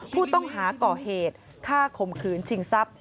ผู้ต้องหาก่อเหตุฆ่าข่มขืนชิงทรัพย